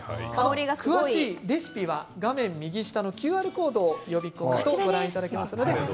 詳しいレシピは画面右下のＱＲコードを読み込んでいただくとご覧いただけます。